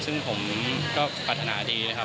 ซึ่งผมก็ปรารถนาดีนะครับ